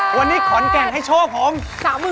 วันนี้ขอนแก่นให้โชคผม